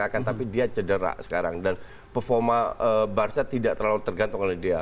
akan tapi dia cedera sekarang dan performa barca tidak terlalu tergantung oleh dia